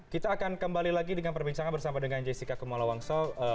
kita akan kembali lagi dengan perbincangan bersama dengan jessica kemola wangso usai jeddah pariwara